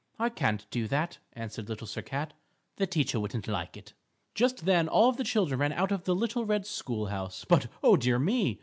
"I can't do that," answered Little Sir Cat, "the teacher wouldn't like it." Just then all the children ran out of the little red school house. But, oh, dear me!